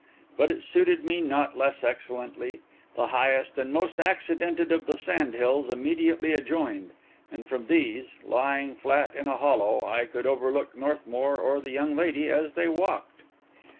But it suited me not less excellently; the highest and most accidented of the sand hills immediately adjoined; and from these, lying flat in a hollow, I could overlook Northmour or the young lady as they walked.